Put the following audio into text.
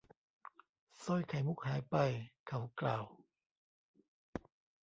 สร้อยไข่มุกหายไป เขากล่าว